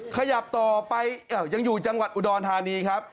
ขยับต่อไปยังอยู่จังหวัดอุดรธานีครับ